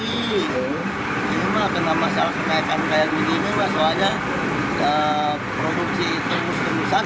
ini mah kenapa masalah kenaikan kaya gini soalnya produksi itu harus terusan